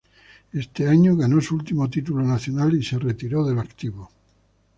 Ese año ganó su último título nacional y se retiró del activo.